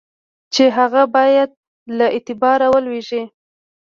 چي هغه باید له اعتباره ولوېږي.